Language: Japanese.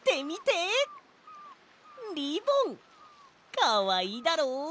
かわいいだろう？